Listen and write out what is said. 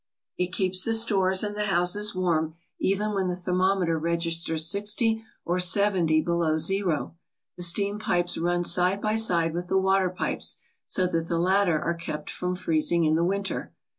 It keeps the stores and the houses warm even when the thermometer registers sixty or sev enty below zero. The steam pipes run side by side with the water pipes, so that the latter are kept from freezing in the winter.